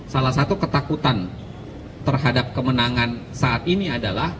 dan satu ketakutan terhadap kemenangan saat ini adalah